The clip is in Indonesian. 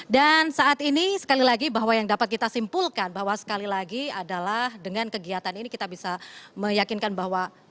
dan saat ini sekali lagi bahwa yang dapat kita simpulkan bahwa sekali lagi adalah dengan kegiatan ini kita bisa meyakinkan bahwa